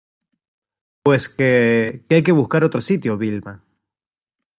pues que... que hay que buscar otro sitio, Vilma .